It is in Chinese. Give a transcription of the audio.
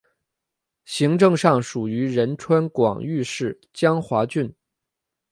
行政上属于仁川广域市江华郡。